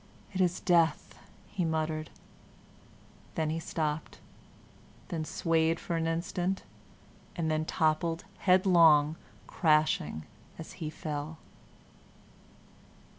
"It is death," he muttered; then he stopped, then swayed for an instant, and then toppled headlong, crashing as he fell.